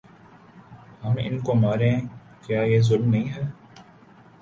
ہم ان کو ماریں کیا یہ ظلم نہیں ہے ۔